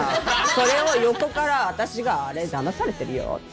それを横から私が「あれだまされてるよ」って。